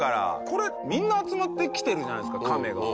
これ、みんな集まってきてるじゃないですか、カメが。